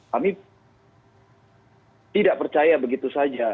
kami tidak percaya begitu saja